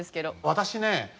私ね